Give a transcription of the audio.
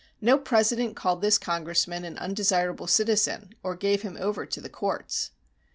No president called this congressman an undesirable citizen or gave him over to the courts.